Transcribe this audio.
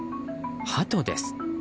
ハトです。